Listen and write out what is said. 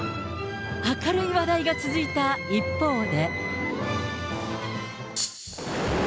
明るい話題が続いた一方で。